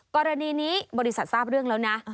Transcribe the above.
กรณีนี้บริษัททราบเรื่องแล้วนะ